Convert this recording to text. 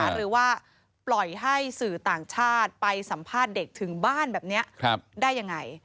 หรือว่าปล่อยให้สื่อต่างชาติไปสัมภาษณ์เด็กถึงบ้านแบบนี้ได้ยังไง